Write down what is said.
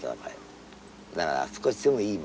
だから少しでもいいものがいい。